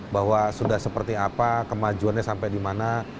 bahwa sudah seperti apa kemajuannya sampai dimana